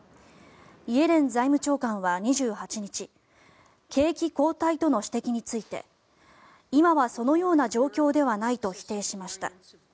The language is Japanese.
イエレン財務長官は２８日景気後退との指摘について今はそのような状況ではないと否定しました。